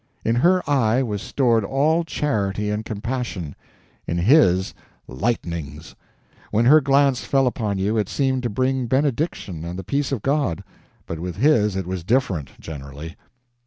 In her eye was stored all charity and compassion, in his lightnings; when her glance fell upon you it seemed to bring benediction and the peace of God, but with his it was different, generally.